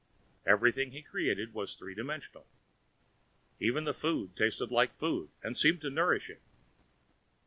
Everything he created was three dimensional. Even food tasted like food and seemed to nourish him.